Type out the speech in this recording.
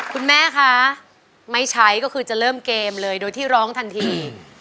คุณแม่คะไม่ใช้ก็คือจะเริ่มเกมเลยโดยที่ร้องทันที